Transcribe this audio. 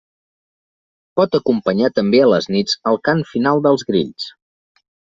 Pot acompanyar també a les nits el cant final dels grills.